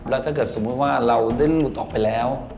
แล้วถ้าเกิดสมมุติว่าเราได้หลุดออกไปแล้ว